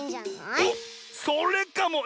おっそれかも！